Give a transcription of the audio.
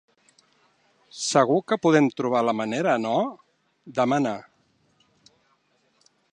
Segur que podem trobar la manera, no? —demana.